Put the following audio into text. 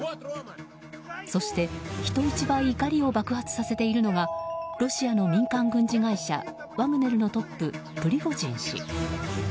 そして人一倍怒りを爆発させているのがロシアの民間軍事会社ワグネルのトップ、プリゴジン氏。